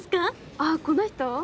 あっこの人？